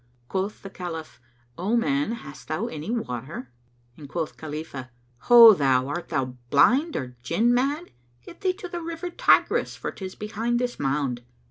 Quoth the Caliph, "O man, hast thou any water?"; and quoth Khalifah, "Ho thou, art thou blind, or Jinn mad? Get thee to the river Tigris, for 'tis behind this mound."